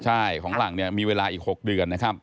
ใช่ของหลังเนี่ยมีเวลาอีก๖เดือนนะครับ